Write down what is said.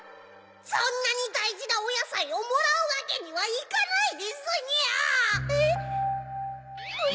そんなにだいじなおやさいをもらうわけにはいかないですにゃ！